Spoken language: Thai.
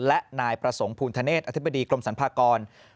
และนายประสงค์ภูณธเนศอธิบดีกรมสรรพากร